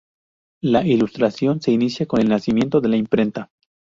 La ilustración se inicia con el nacimiento de la imprenta.